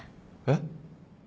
えっ？